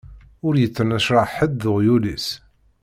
Ur yettnecṛaḥ ḥedd d uɣyul-is.